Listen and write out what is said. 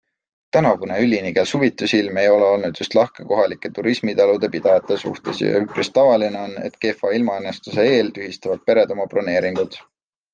Tänavune ülinigel suvitusilm ei ole olnud just lahke kohalike turismitalude pidajate suhtes ja üpris tavaline on, et kehva ilmaennustuse eel tühistavad pered oma broneeringud.